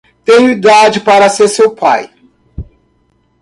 Tenho idade para ser seu pai.